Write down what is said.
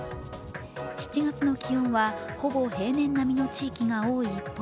７月の気温はほぼ平年並みの地域が多い一方、